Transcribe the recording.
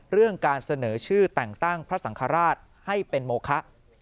เรื่องการเสนอชื่อแต่งตั้งพระสังฆราชให้เป็นโมคะ